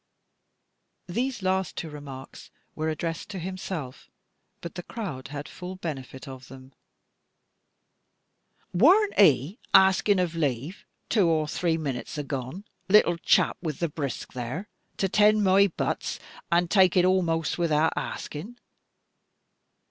These last two remarks were addressed to himself, but the crowd had full benefit of them. "Worn't 'e axing of lave, two or dree minutes agone, little chap with the brisk there, to tend my butts, and tuk it amost wiout axing?